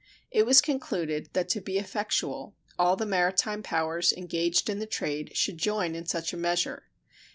It was concluded that to be effectual all the maritime powers engaged in the trade should join in such a measure.